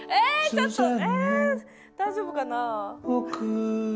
ちょっとえ大丈夫かな？